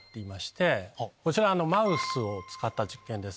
マウスを使った実験です。